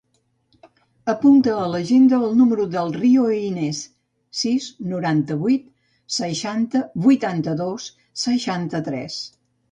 Apunta a l'agenda el número del Rio Ines: sis, noranta-vuit, seixanta, vuitanta-dos, seixanta-tres.